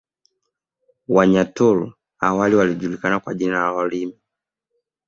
Wanyaturu awali walijulikana kwa jina la Warimi